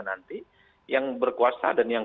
nanti yang berkuasa dan yang